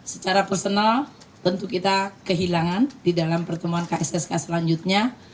secara personal tentu kita kehilangan di dalam pertemuan kssk selanjutnya